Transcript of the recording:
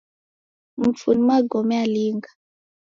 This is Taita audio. Mfu ni magome alinga?